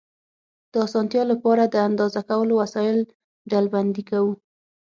د اسانتیا له پاره، د اندازه کولو وسایل ډلبندي کوو.